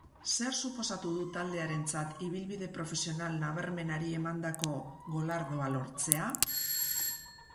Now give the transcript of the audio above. Zer suposatu du taldearentzat ibilbide profesional nabarmenari emandako golardoa lortzea?